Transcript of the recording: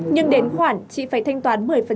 nhưng đến khoản chị phải thanh toán một mươi